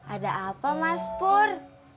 ada apa mas pur